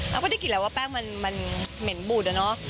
อ้ำก็ได้กินแล้วว่าแป้งมันเหม็นบุตรนะ